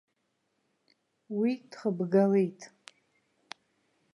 Уи дхыбгалеит.